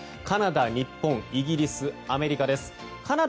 カナダ、日本イギリス、アメリカです。